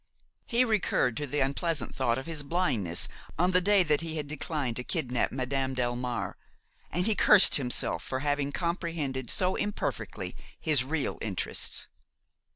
He recurred to the unpleasant thought of his blindness on the day he had declined to kidnap Madame Delmare, and he cursed himself for having comprehended so imperfectly his real interests.